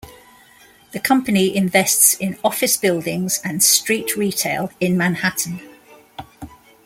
The company invests in office buildings and street retail in Manhattan.